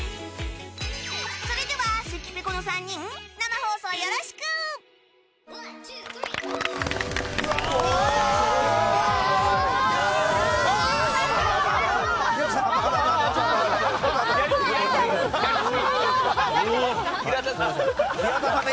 それでは関ぺこの３人生放送よろしく！やりすぎ、やりすぎ！